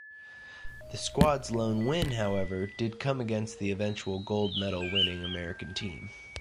The squad's lone win, however, did come against the eventual gold medal-winning American team.